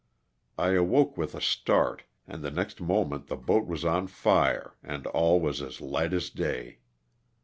'' I awoke with a start and the next moment the boat was on fire and all was as light as day.